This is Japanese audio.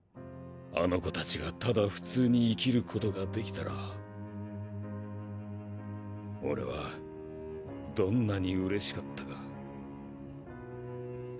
あの子たちがただ普通に生きることができたら俺はどんなに嬉しかったか。